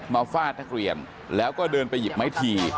ฟาดนักเรียนแล้วก็เดินไปหยิบไม้ที